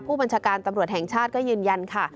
ผู้บัญชาการตำรวจแห่งชาติก็ยืนยันค่ะ